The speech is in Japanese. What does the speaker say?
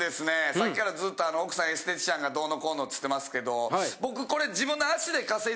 さっきからずっと奥さんエステティシャンがどうのこうのつってますけど僕これ。